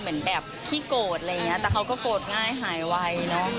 เหมือนแบบขี้โกรธอะไรอย่างนี้แต่เขาก็โกรธง่ายหายไวเนอะ